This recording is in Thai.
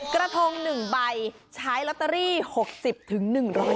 กระทง๑ใบใช้ลอตเตอรี่๖๐๑๐๐บาท